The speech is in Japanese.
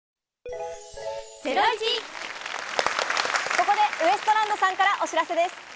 ここでウエストランドさんから、お知らせです。